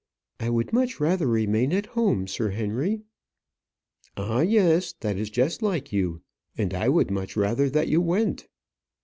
"I would much rather remain at home, Sir Henry." "Ah, yes; that is just like you. And I would much rather that you went."